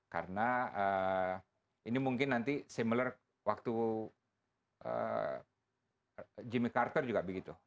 karena ini mungkin nanti similar waktu jimmy carter juga begitu